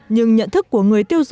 nhưng nhận thức của người tiêu diệt